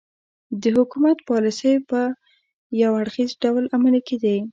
د حکومت پالیسۍ په یو اړخیز ډول عملي کېدې.